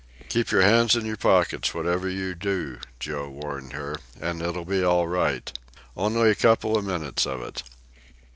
"Keep your hands in your pockets whatever you do," Joe warned her, "and it'll be all right. Only a couple of minutes of it."